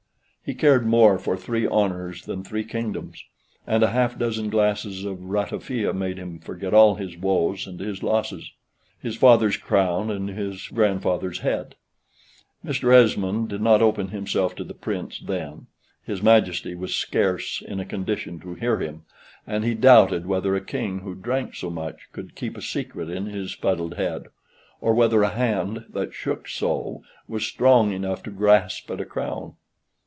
He cared more for three honors than three kingdoms; and a half dozen glasses of ratafia made him forget all his woes and his losses, his father's crown, and his grandfather's head. Mr. Esmond did not open himself to the Prince then. His Majesty was scarce in a condition to hear him; and he doubted whether a King who drank so much could keep a secret in his fuddled head; or whether a hand that shook so, was strong enough to grasp at a crown.